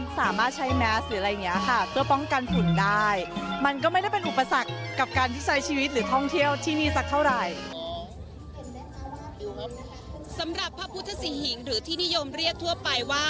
สำหรับพระพุทธศรีหิงหรือที่นิยมเรียกทั่วไปว่า